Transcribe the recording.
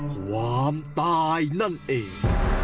ความตายนั่นเอง